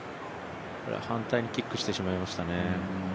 反対にキックしてしまいましたね。